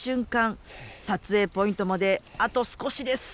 撮影ポイントまであと少しです。